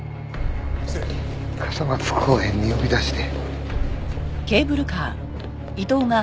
傘松公園に呼び出して。